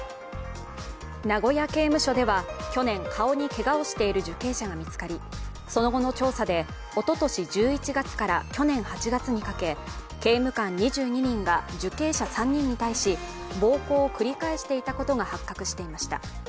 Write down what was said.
名古屋刑務所では去年顔にけがをしている受刑者が見つかりその後の調査でおととし１１月から去年８月にかけ刑務官２２人が、受刑者３人に対し暴行を繰り返していたことが発覚していました。